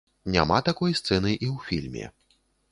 Няма такой сцэны і ў фільме.